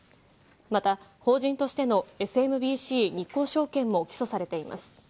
また法人としてのＳＭＢＣ日興証券も起訴されています。